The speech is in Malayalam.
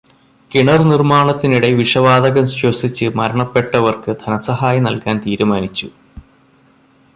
കിണര് നിര്മ്മാണത്തിനിടെ വിഷവാതകം ശ്വസിച്ച് മരണപ്പെട്ടവർക്ക് ധനസഹായം നൽകാൻ തീരുമാനിച്ചു.